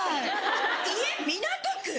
家港区！